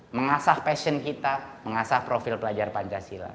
mengasah passion kita mengasah profil pelajar pancasila